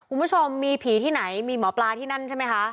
คุณผู้ชมมีผีที่ไหนมีหมอปลาที่นั่นใช่ไหมคะ